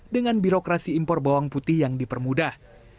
dengan birokrasi impor bawang putih yang dipermudah